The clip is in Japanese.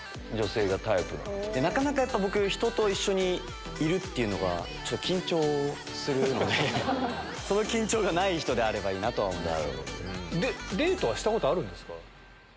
なかなかやっぱ僕人と一緒にいるっていうのがちょっと緊張するのでその緊張がない人であればいいなとは思います。